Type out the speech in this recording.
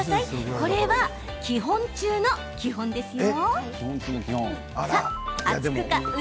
これは基本中の基本ですよ。